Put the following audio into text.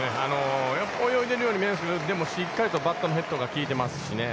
泳いでいるように見えるんですけどでも、しっかりとバットのヘッドが効いていますしね。